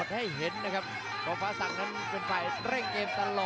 จังหวาดึงซ้ายตายังดีอยู่ครับเพชรมงคล